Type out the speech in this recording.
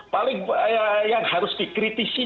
paling yang harus dikritisi